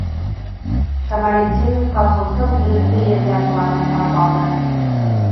Камалетдинов колхоздың һөрөнтө ерҙәр планын һорап алды.